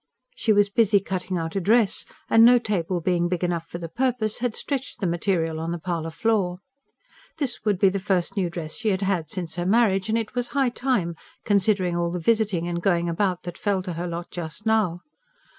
She was busy cutting out a dress, and no table being big enough for the purpose, had stretched the material on the parlour floor. This would be the first new dress she had had since her marriage; and it was high time, considering all the visiting and going about that fell to her lot just now.